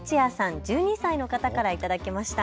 １２歳の方から頂きました。